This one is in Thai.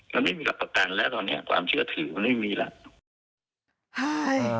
มันไม่มีหลักประกันแล้วตอนนี้ความเชื่อถือมันไม่มีแล้ว